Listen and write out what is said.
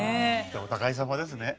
じゃあお互いさまですね。